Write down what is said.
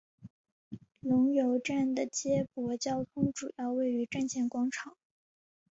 龙游站的接驳交通主要位于站前广场。